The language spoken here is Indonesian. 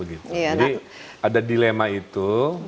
jadi ada dilema itu